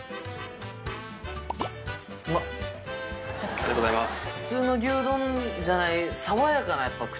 ありがとうございます。